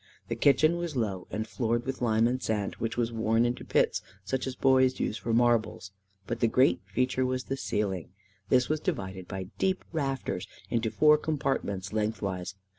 The kitchen was low, and floored with lime and sand, which was worn into pits such as boys use for marbles; but the great feature was the ceiling. This was divided by deep rafters into four compartments lengthwise.